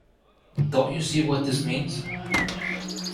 Don't you see what this means?